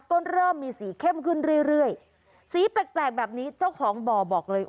ก็เริ่มมีสีเข้มขึ้นเรื่อยเรื่อยสีแปลกแปลกแบบนี้เจ้าของบ่อบอกเลย